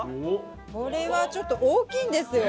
これはちょっと大きいんですよ。